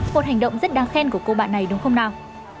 một hành động rất đáng khen của cô bạn này đúng không nào